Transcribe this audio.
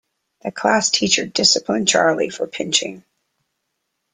The classteacher disciplined Charlie for pinching.